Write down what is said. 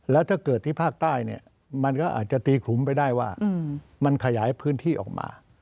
แล้วถ้าเกิดที่ภาคใต้เนี่ยมันก็อาจจะตีขลุมไปได้ว่ามันขยายพื้นที่ออกมา